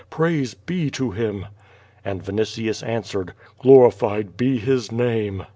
Praise be to Him." And Vinitius answered: "Glorified be His name!"